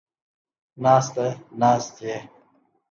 ناسته ، ناستې